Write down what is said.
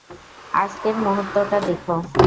আজকের মুহূর্তটা দেখো!